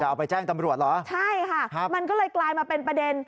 เอาไปแจ้งตำรวจเหรอใช่ค่ะครับมันก็เลยกลายมาเป็นประเด็น